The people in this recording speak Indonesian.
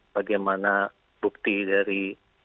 bagaimana bukti dari